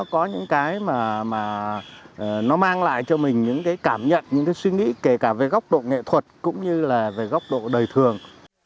có những cái mà nó mang lại cho mình những cái cảm nhận những cái suy nghĩ kể cả về góc độ nghệ thuật cũng như là về góc độ đời thường